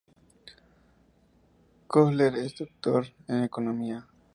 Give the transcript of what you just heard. Köhler es doctor en economía.